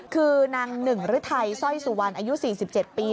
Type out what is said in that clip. คือนางหนึ่งรึไทนะเส้ยสุวรรณอายุ๔๗ปี